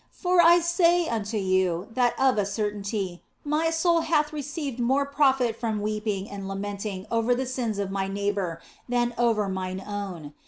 For I say unto you that of a certainty my soul hath received more profit from weeping and lamenting over the sins of my neighbour than over OF FOLIGNO 261 mine own.